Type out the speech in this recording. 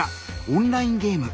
オンラインゲーム。